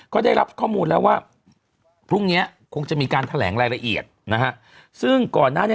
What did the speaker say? ก็ได้รับข้อมูลแล้วว่าพรุ่งนี้คงจะมีการแถลงรายละเอียดนะฮะซึ่งก่อนหน้านี้